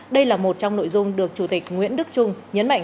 đây là một trong nội dung được chủ tịch nguyễn đức trung nhấn mạnh